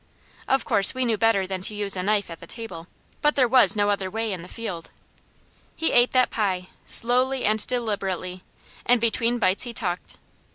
Of course we knew better than to use a knife at the table, but there was no other way in the field. He ate that pie, slowly and deliberately, and between bites he talked.